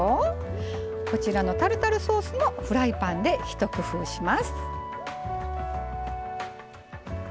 こちらのタルタルソースもフライパンで一工夫します。